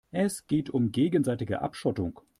Es geht um gegenseitige Abschottung.